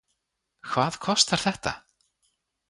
Hvað kostar þetta?